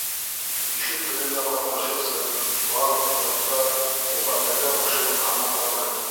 Бишек туйында ҡатнашыусы барлыҡ ҡунаҡтар уға бергә ҡушылып һамаҡланы: